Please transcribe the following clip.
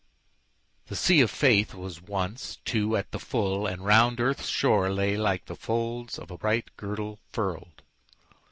The sea of faithWas once, too, at the full, and round earth's shoreLay like the folds of a bright girdle furl'd.